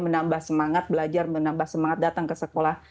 menambah semangat belajar menambah semangat datang ke sekolah